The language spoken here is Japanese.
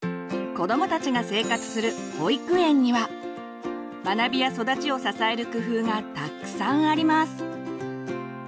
子どもたちが生活する保育園には学びや育ちを支える工夫がたくさんあります。